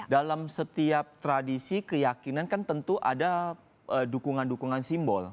dalam setiap tradisi keyakinan kan tentu ada dukungan dukungan simbol